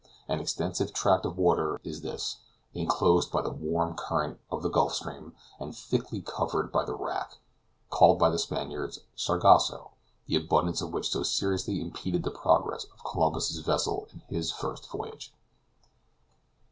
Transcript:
An extensive tract of water is this, inclosed by the warm current of the Gulf Stream, and thickly covered with the wrack, called by the Spaniards "sargasso," the abundance of which so seriously impeded the progress of Columbus's vessel on his first voyage.